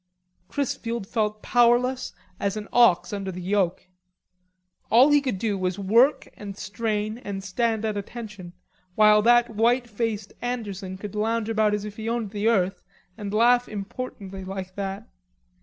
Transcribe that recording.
Chrisfield felt powerless as an ox under the yoke. All he could do was work and strain and stand at attention, while that white faced Anderson could lounge about as if he owned the earth and laugh importantly like that.